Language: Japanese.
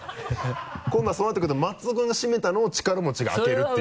今度はそうなってくると松尾君が閉めたのを力持ちが開けるっていう。